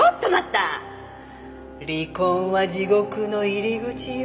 「離婚は地獄の入り口よ」